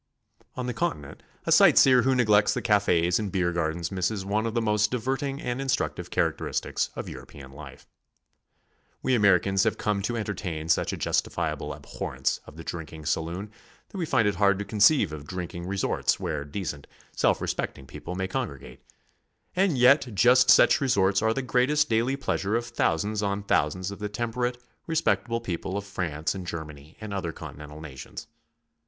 On the continent a sightseer who neglects the cafes and beer gardens misses one of the most diverting and instructive characteristics of European life. We Americans have come to entertain such a justifiable abhorrence of the drinking saloon that we find it hard to conceive of drinking resorts where decent, self respecting people may congregate, and yet just such resorts are the..^reatest daily pleasure of thous ands on thousands of the Temperate, respectable people of France and Germany and other Continental nations.